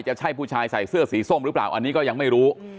จะใช่ผู้ชายใส่เสื้อสีส้มหรือเปล่าอันนี้ก็ยังไม่รู้